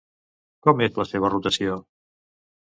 Com és la seva rotació?